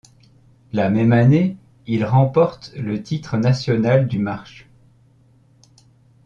La même année, il remporte le titre national du marche.